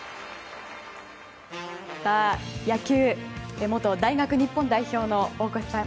野球、元大学日本代表の大越さん